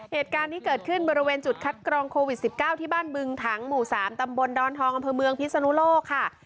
เหตุการณ์นี้เกิดขึ้นบริเวณจุดคัดกรองโควิด๑๙ที่บ้านบึงถังหมู่๓ตำบลดอนทองอำเภอเมืองพิศนุโลกค่ะ